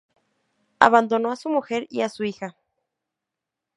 Abandonó a su mujer y a su hija.